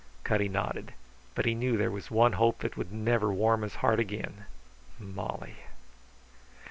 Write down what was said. Cutty nodded. But he knew there was one hope that would never warm his heart again. Molly!...